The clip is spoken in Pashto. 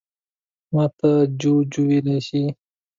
_ماته جُوجُو ويلی شې.